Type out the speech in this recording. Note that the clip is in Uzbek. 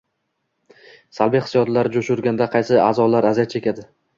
Salbiy hissiyotlar jo’sh urganda qaysi a’zolar aziyat chekadi?